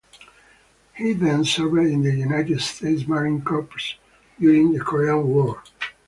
He then served in the United States Marine Corps during the Korean War.